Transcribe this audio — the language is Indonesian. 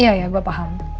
iya ya gue paham